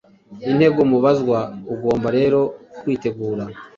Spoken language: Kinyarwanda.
intego mubazwa, ugomba rero kwitegura